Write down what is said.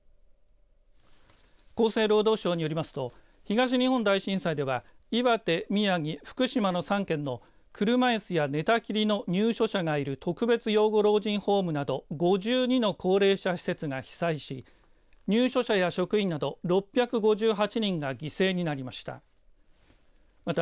厚生労働省によりますと東日本大震災では岩手、宮城、福島の３県の車いすや寝たきりの入所者がいる特別養護老人ホームなど５２の高齢者施設が被災し入所者や職員など６５８人が犠牲になりました。